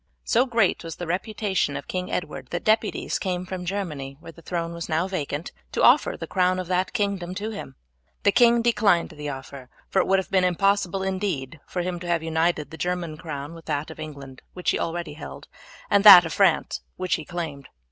So great was the reputation of King Edward that deputies came from Germany, where the throne was now vacant, to offer the crown of that kingdom to him. The king declined the offer, for it would have been impossible indeed for him to have united the German crown with that of England, which he already held, and that of France, which he claimed.